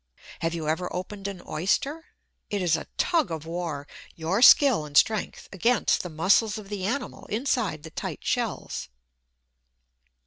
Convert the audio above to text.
Have you ever opened an Oyster? It is a tug of war, your skill and strength against the muscles of the animal inside the tight shells.